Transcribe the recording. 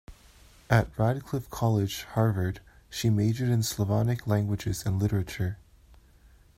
At Radcliffe College, Harvard, she majored in Slavonic Languages and Literature.